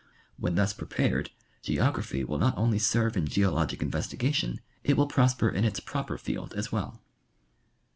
When thus prepared, geography will not only serve in geologic investigation, it will prosper in its proper field as well.